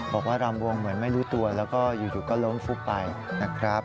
รำวงเหมือนไม่รู้ตัวแล้วก็อยู่ก็ล้มฟุบไปนะครับ